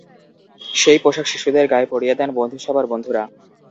সেই পোশাক শিশুদের গায়ে পরিয়ে দেন বন্ধুসভার বন্ধুরা।